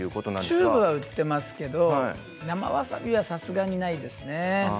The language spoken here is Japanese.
チューブは売っていますけど生わさびはさすがにないですね。